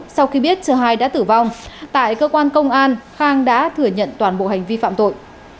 sau khi biết chờ hai đã tử vong tại cơ quan công an khang đã thừa nhận toàn bộ hành vi phạm tội